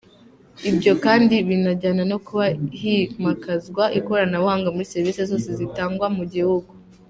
Ibyo kandi binajyana no kuba himakazwa ikoranabuhanga muri serivisi zose zitangwa mu gihugu.